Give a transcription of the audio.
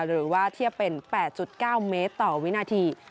หรือว่าเทียบเป็น๘๙เมตรต่อวินาที